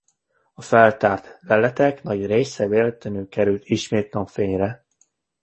A feltárt leletek nagy része véletlenül került ismét napfényre.